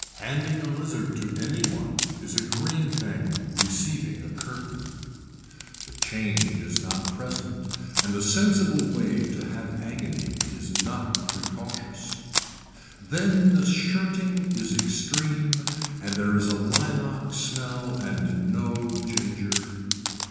Handing a lizard to any one is a green thing receiving a curtain. The change is not present and the sensible way to have agony is not precautious. Then the shirting is extreme and there is a lilac smell and no ginger.